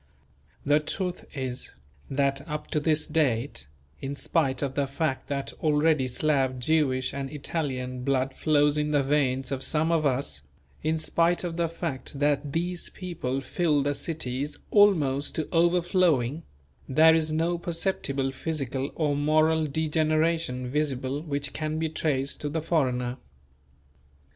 The truth is, that up to this date, in spite of the fact that already Slav, Jewish and Italian blood flows in the veins of some of us: in spite of the fact that these people fill the cities almost to overflowing, there is no perceptible physical or moral degeneration visible which can be traced to the foreigner.